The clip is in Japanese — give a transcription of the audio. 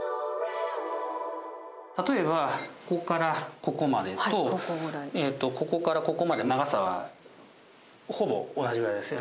例えばここからここまでとここからここまで長さはほぼ同じぐらいですよね。